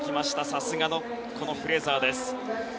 さすがのフレーザーです。